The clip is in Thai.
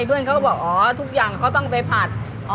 เพื่อนเขาก็บอกอ๋อทุกอย่างเขาต้องไปผัด